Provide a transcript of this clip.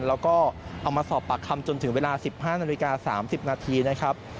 แล้วก็เอามาสอบปากคำจนถึงเวลา๑๕นาฬิกา๓๐นาทีนะครับ